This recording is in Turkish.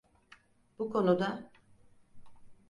Bu konuda…